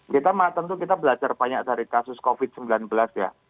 kita tentu kita belajar banyak dari kasus covid sembilan belas ya